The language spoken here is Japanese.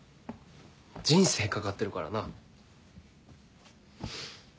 人生懸かってるからな。